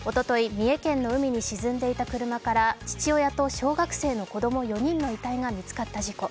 三重県の海に沈んでいた車から父親と小学生の子供４人の遺体が見つかった事故。